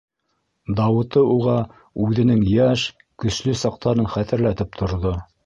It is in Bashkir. Дауыты уға үҙенең йәш, көслө саҡтарын хәтерләтеп торҙо.